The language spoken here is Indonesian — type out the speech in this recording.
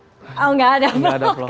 oh enggak ada vlog